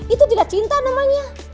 itu tidak cinta namanya